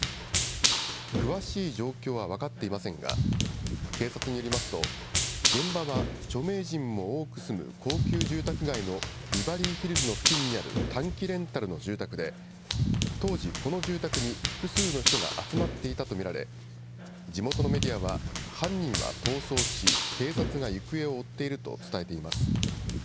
詳しい状況は分かっていませんが、警察によりますと、現場は著名人も多く住む高級住宅街のビバリーヒルズの付近にある短期レンタルの住宅で、当時この住宅に複数の人が集まっていたと見られ、地元のメディアは犯人は逃走し、警察が行方を追っていると伝えています。